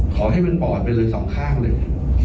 ขอให้เป็นปอดไปเลย๒ข้างเลย